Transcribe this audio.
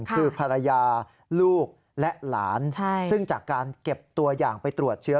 คือภรรยาลูกและหลานซึ่งจากการเก็บตัวอย่างไปตรวจเชื้อ